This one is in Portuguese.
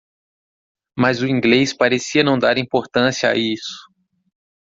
Mas o inglês parecia não dar importância a isso.